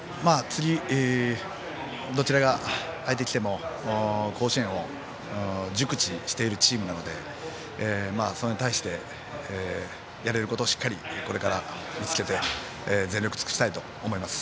次、どちらの相手が来ても甲子園を熟知しているチームなのでそれに対してやれることをしっかりこれから見つけて全力を尽くしたいと思います。